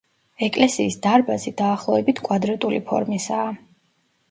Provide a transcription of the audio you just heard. ეკლესიის დარბაზი დაახლოებით კვადრატული ფორმისაა.